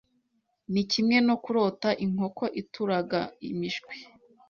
ni kimwe no kurota inkoko ituraga imishwi.